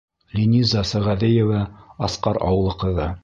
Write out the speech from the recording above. Линиза Сәғәҙиева — Асҡар ауылы ҡыҙы.